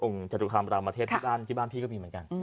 จตุคามรามเทพที่บ้านพี่ก็มีเหมือนกัน